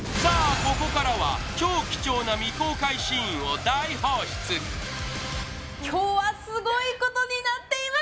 ここからは超貴重な未公開シーンを大放出今日はすごいことになっています